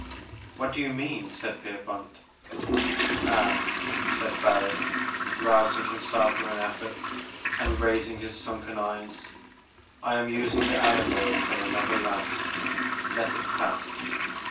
What do you mean ?" said Pierpont. Ah," said Barris, rousing himself with an eflFort and raising his sunken eyes, I am using the allegories of another land ; let it pass.